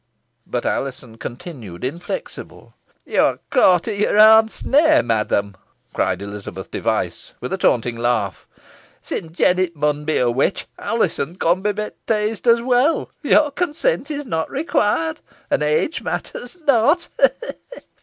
But Alizon continued inflexible. "Yo are caught i' your own snare, madam," cried Elizabeth Device, with a taunting laugh. "Sin Jennet mun be a witch, Alizon con be bapteesed os weel. Your consent is not required and age matters not ha! ha!"